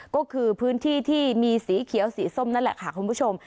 ก็คือพื้นที่ที่มีสีเขียวสีส้มนั่นแหละค่ะคุณผู้ชม